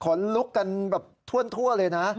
ขนลุกกันแบบท่วนทั่วเลยนะ